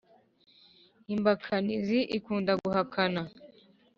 Impakanizi ikunda guhakana